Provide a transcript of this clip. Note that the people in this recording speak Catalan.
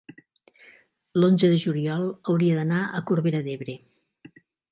l'onze de juliol hauria d'anar a Corbera d'Ebre.